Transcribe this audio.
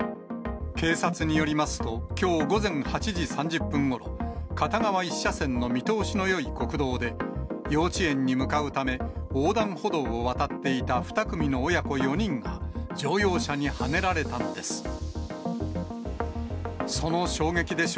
警察によりますと、きょう午前８時３０分ごろ、片側１車線の見通しのよい国道で、幼稚園に向かうため、横断歩道を渡っていた２組の親子４人が、乗用車にはねられたのです。